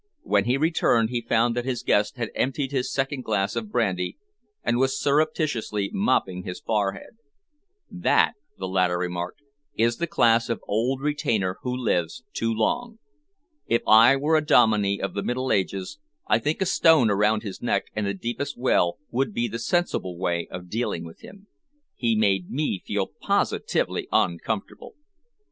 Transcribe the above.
When he returned, he found that his guest had emptied his second glass of brandy and was surreptitiously mopping his forehead. "That," the latter remarked, "is the class of old retainer who lives too long. If I were a Dominey of the Middle Ages, I think a stone around his neck and the deepest well would be the sensible way of dealing with him. He made me feel positively uncomfortable."